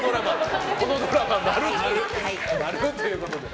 このドラマ、○ということで。